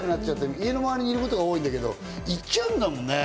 家の周りにいることが多いんだけど、行っちゃうんだもんね。